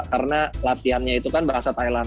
karena latihannya itu kan bahasa thailand